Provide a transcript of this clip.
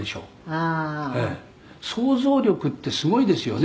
「ああー」「想像力ってすごいですよね」